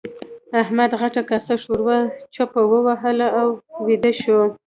احمد غټه کاسه ښوروا څپه وهله او ويده شو.